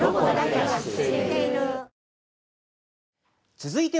続いては。